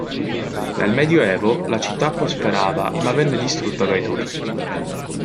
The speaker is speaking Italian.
Nel Medioevo la città prosperava ma venne distrutta dai Turchi.